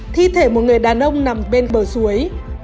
thi thể một người đàn ông nằm bên bờ suối